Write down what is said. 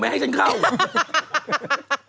หมวดไปทั้งหลายพันทุกอย่าง